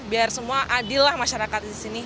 biar semua adil lah masyarakat disini